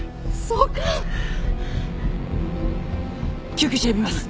救急車呼びます。